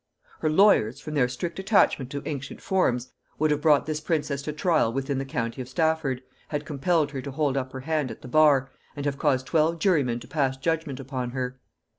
Her lawyers, from their strict attachment to ancient forms, would have brought this princess to trial within the county of Stafford, have compelled her to hold up her hand at the bar, and have caused twelve jurymen to pass judgement upon her.